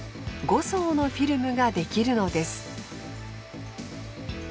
５層のフィルムが出来るのです。